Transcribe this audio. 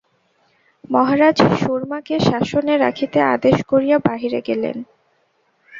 মহারাজ সুরমাকে শাসনে রাখিতে আদেশ করিয়া বাহিরে গেলেন।